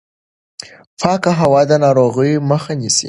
پاکه هوا د ناروغیو مخه نیسي.